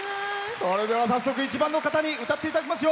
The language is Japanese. それでは早速、１番の方に歌っていただきますよ。